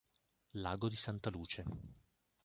Lago di Santa Luce.